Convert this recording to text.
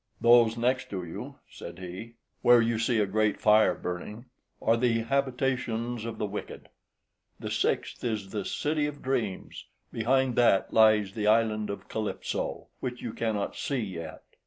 "Those next to you," said he, "where you see a great fire burning, are the habitations of the wicked; the sixth is the city of dreams; behind that lies the island of Calypso, which you cannot see yet.